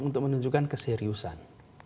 untuk menunjukkan keseriusan